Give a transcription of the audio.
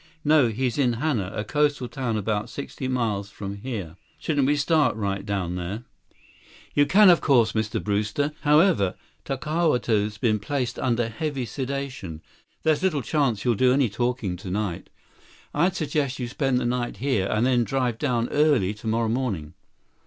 "No. He's in Hana, a coastal town about sixty miles from here." "Shouldn't we start right down there?" 67 "You can, of course, Mr. Brewster. However, Tokawto's been placed under heavy sedation. There's little chance that he'll do any talking tonight. I'd suggest you spend the night here, then drive down early tomorrow morning."